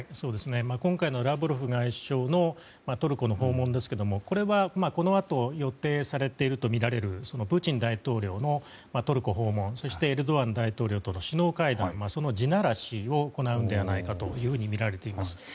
今回のラブロフ外相のトルコ訪問ですけれどこれは、このあと予定されているとみられるプーチン大統領のトルコ訪問とエルドアン大統領との首脳会談、その地ならしを行うのではないかとみられています。